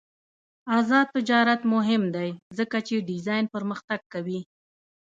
آزاد تجارت مهم دی ځکه چې ډیزاین پرمختګ کوي.